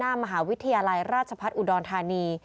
หน้ามหาวิทยาลัยราชพัฒน์อุดรธานี